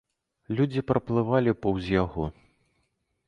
Людзі праплывалі паўз яго.